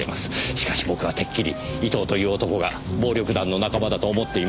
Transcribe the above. しかし僕はてっきり伊藤という男が暴力団の仲間だと思っていましたが。